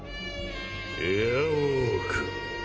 エアウォーク